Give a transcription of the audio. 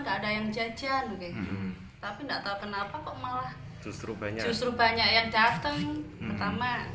enggak ada yang jajan tapi enggak tahu kenapa kok malah justru banyak yang datang pertama